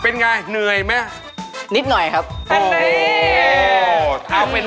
วู้วู้วู้